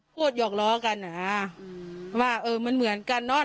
โคตรหยอกหลอกันอ่ะอืมว่าเออมันเหมือนกันเนาะ